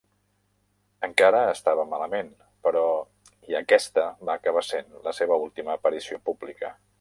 Encara estava malament, però, i aquesta va acabar sent la seva última aparició pública.